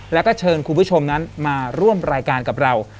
แล้วก็เชิญคุณผู้ชมนั้นมาร่วมรายการกับเรา